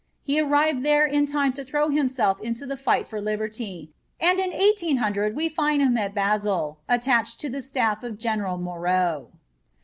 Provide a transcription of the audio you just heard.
He arrived there in time to throw himself into the fight for liberty, and in 1800 we find him at Basle attached to the staff of General Moreau.